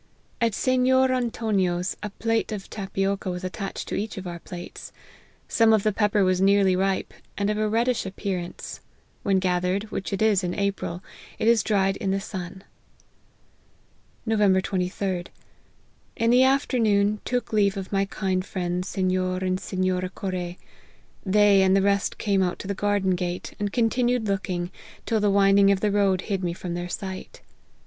At Sennor Antonio's, a plate of tapioca was attached to each of our plates. Some of the pepper was nearly ripe, and of a reddish ap pearance ; when gathered, which it is in April, it is dried in the sun." " Nov. 23. In the afternoon took leave of my kind friends Sennor and Sennor a Corre. They and the rest came out to the garden gate, and continued looking, till the winding of the road hid me from their sight.